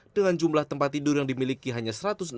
dengan jumlah tempat tidur yang dimiliki hanya satu ratus enam puluh